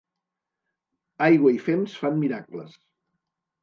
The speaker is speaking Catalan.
Aigua i fems fan miracles.